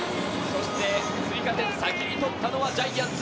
そして追加点を先に取ったのはジャイアンツ。